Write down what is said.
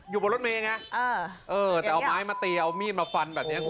อยู่บนรถเมย์ไงเออเออแต่เอาไม้มาตีเอามีดมาฟันแบบเนี้ย